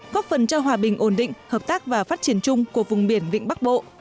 góp phần cho hòa bình ổn định hợp tác và phát triển chung của vùng biển vịnh bắc bộ